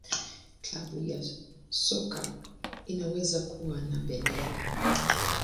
Klabu ya soka inaweza kuwa na bendera.